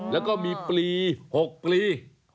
แล้วก็มีปลี๖ปลี